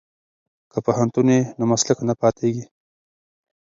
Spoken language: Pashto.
که پوهنتون وي نو مسلک نه پاتیږي.